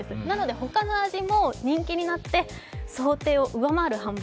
他の味も人気になって、想定を上回る販売。